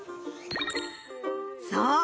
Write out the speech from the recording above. そう！